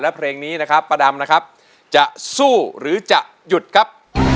และเพลงนี้นะครับป้าดำนะครับจะสู้หรือจะหยุดครับ